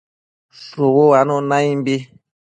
Shubu uanun naimbi